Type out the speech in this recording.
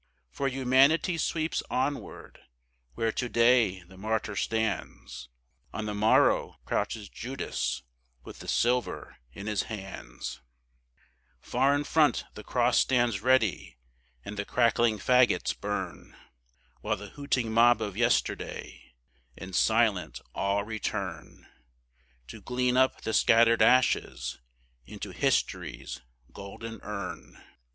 For Humanity sweeps onward: where to day the martyr stands, On the morrow crouches Judas with the silver in his hands; Far in front the cross stands ready and the crackling fagots burn, While the hooting mob of yesterday in silent awe return To glean up the scattered ashes into History's golden urn.